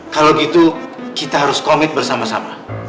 kalau gitu kita harus komit bersama sama